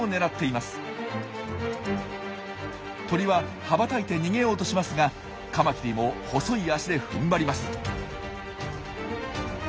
鳥は羽ばたいて逃げようとしますがカマキリも細い脚でふんばります。